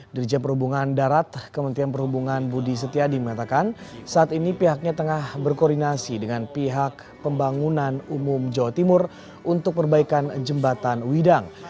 dari jem perhubungan darat kementerian perhubungan budi setia dimatakan saat ini pihaknya tengah berkoordinasi dengan pihak pembangunan umum jawa timur untuk perbaikan jembatan uidang